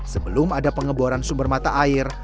sebelum ada pengeboran sumber mata air